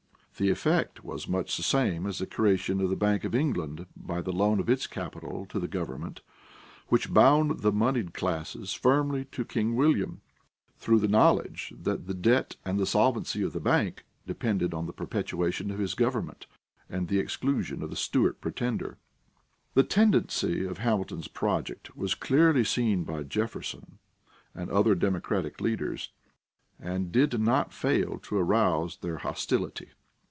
The effect was much the same as the creation of the Bank of England by the loan of its capital to the government, which bound the moneyed classes firmly to King William, through the knowledge that the debt and the solvency of the bank depended on the perpetuation of his government and the exclusion of the Stuart Pretender. The tendency of Hamilton's project was clearly seen by Jefferson and other democratic leaders, and did not fail to arouse their hostility.